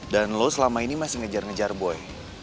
dan lo selama ini masih ngejar ngejar boy